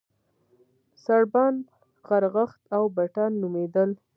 سړبن، غرغښت او بټن نومېدل.